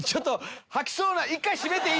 吐きそうな。